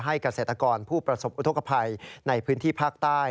เกษตรกรผู้ประสบอุทธกภัยในพื้นที่ภาคใต้